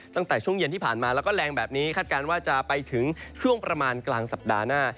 ตั้งแต่ช่วงเย็นที่ผ่านมาแล้วก็แรงแบบนี้คาดการณ์ว่าจะไปถึงช่วงประมาณกลางสัปดาห์หน้า